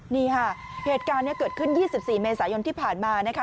นี่ค่ะเหตุการณ์นี้เกิดขึ้น๒๔เมษายนที่ผ่านมานะคะ